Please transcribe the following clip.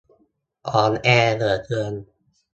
อ่อนแอเหลือเกิน